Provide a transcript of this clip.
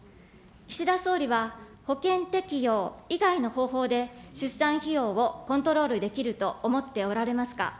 岸田総理は保険適用以外の方法で出産費用をコントロールできると思っておられますか。